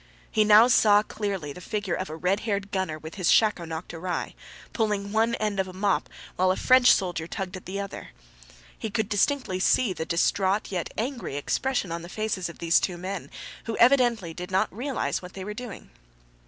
He now saw clearly the figure of a red haired gunner with his shako knocked awry, pulling one end of a mop while a French soldier tugged at the other. He could distinctly see the distraught yet angry expression on the faces of these two men, who evidently did not realize what they were doing.